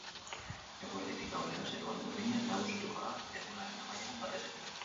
Eguerditik aurrera zeruan urdina nagusituko da, egunaren amaieran batez ere.